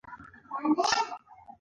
ـ دنيا په اميد ولاړه ده.